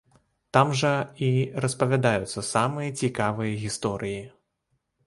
Там жа і распавядаюцца самыя цікавыя гісторыі.